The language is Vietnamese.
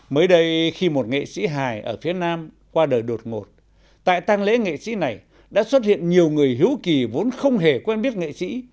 mới đây khi một nghệ sĩ hài ở phía nam qua đời đột ngột tại tăng lễ nghệ sĩ này đã xuất hiện nhiều người hữu kỳ vốn không hề quen biết nghệ sĩ